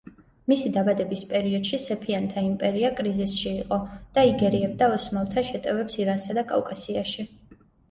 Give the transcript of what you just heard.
მისი დაბადების პერიოდში სეფიანთა იმპერია კრიზისში იყო და იგერიებდა ოსმალთა შეტევებს ირანსა და კავკასიაში.